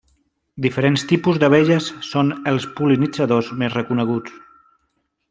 Diferents tipus d'abelles són els pol·linitzadors més reconeguts.